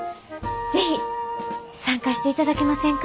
是非参加していただけませんか？